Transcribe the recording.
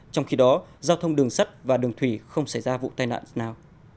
trong khi đó giao thông đường sắt và đường thủy không xảy ra vụ tai nạn nào